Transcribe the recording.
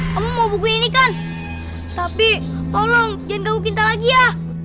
kamu mau bukunya ini kan tapi tolong jangan ganggu kita lagi ya